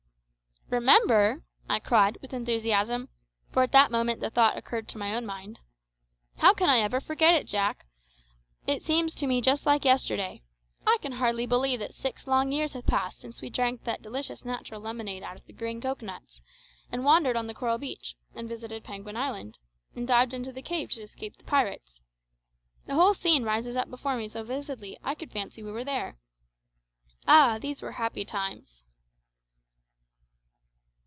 "Remember!" I cried with enthusiasm, for at that moment the thought occurred to my own mind; "how can I ever forget it, Jack? It seems to me just like yesterday. I can hardly believe that six long years have passed since we drank that delicious natural lemonade out of the green cocoa nuts, and wandered on the coral beach, and visited Penguin Island, and dived into the cave to escape the pirates. The whole scene rises up before me so vividly that I could fancy we were still there. Ah! these were happy times."